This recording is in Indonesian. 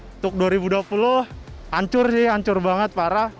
untuk dua ribu dua puluh hancur sih hancur banget parah